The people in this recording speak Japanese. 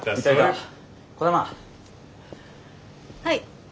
はい。